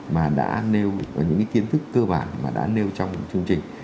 và những cái kiến thức cơ bản mà đã nêu trong chương trình